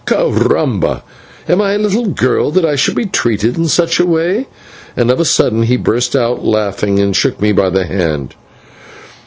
/Caramba!/ am I a little girl that I should be treated in such a way?" And of a sudden he burst out laughing and shook me by the hand.